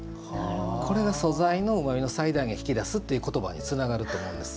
これが素材のうまみの最大限引き出すという言葉につながると思うんですよ。